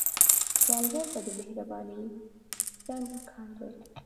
سوالګر ته د مهرباني زنګ پکار دی